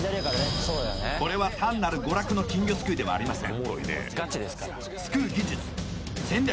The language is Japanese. これは単なる娯楽の金魚すくいではありませんすくう技術戦略